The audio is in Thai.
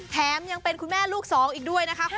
แถมยังเป็นคุณแม่ลูกสองอีกด้วยนะคะ